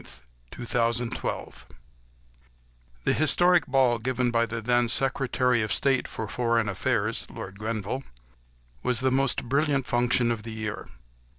LORD GRENVILLE'S BALL The historic ball given by the then Secretary of State for Foreign Affairs—Lord Grenville—was the most brilliant function of the year.